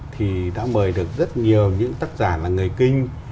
thì đã mời được rất nhiều những tác giả là người kinh